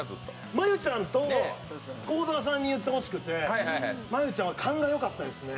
真悠ちゃんと幸澤さんに言ってほしくて、真悠ちゃんは勘がよかったですね。